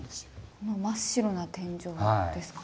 この真っ白な天井ですか？